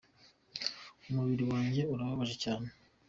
Umubiri wanjye urababaje cyane.